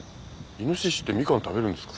イノシシってミカン食べるんですか？